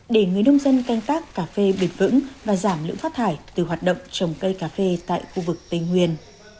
để người nông dân canh tác cà phê bền vững và giảm lưỡng phát thải từ hoạt động trồng cây cà phê tại khu vực tây nguyên